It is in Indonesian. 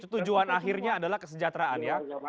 itu tujuan akhirnya adalah kesejahteraan